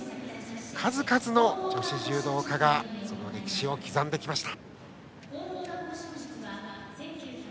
数々の女子柔道家がその歴史を刻んできました。